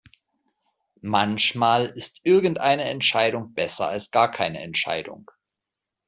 Manchmal ist irgendeine Entscheidung besser als gar keine Entscheidung.